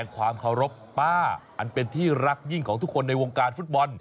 ความเคารพป้าอันเป็นที่รักยิ่งของทุกคนในวงการฟุตบอล